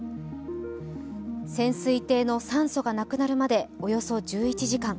潜水艇の酸素がなくなるまでおよそ１１時間。